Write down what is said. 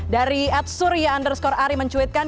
dari at surya underscore ari mencuitkan